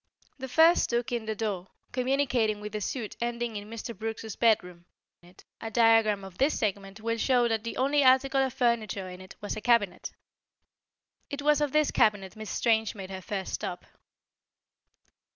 The first took in the door, communicating with the suite ending in Mr. Brooks's bedroom. A diagram of this segment will show that the only article of furniture in it was a cabinet. It was at this cabinet Miss Strange made her first stop.